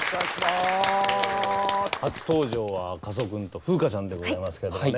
初登場は赤楚君と風花ちゃんでございますけれどもね。